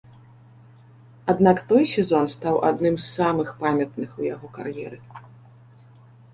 Аднак той сезон стаў адным з самых памятных у яго кар'еры.